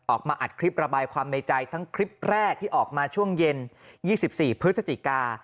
ออกมาอัดคลิประบายความในใจทั้งคลิปแรกที่ออกมาช่วงเย็น๒๔พฤศจิกา